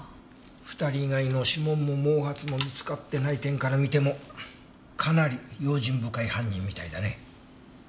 ２人以外の指紋も毛髪も見つかってない点から見てもかなり用心深い犯人みたいだね。